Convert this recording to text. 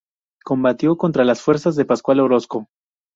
Combatió contra las fuerzas de Pascual Orozco.